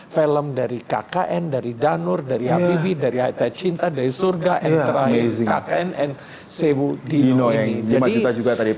film dari kkn dari danur dari hpv dari hatta cinta dari surga dan terakhir kkn dan sewudino ini